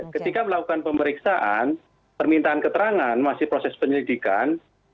ketika melakukan pemeriksaan permintaan keterangan masih proses penyelidikan